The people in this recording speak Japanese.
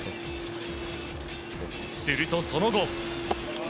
するとその後。